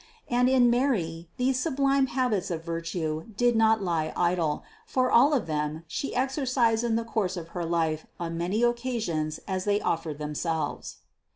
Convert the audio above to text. And in Mary these sublime habits of virtue did not lie idle, for all of them She exercised in the course of her life on many occasions as they offered themselves.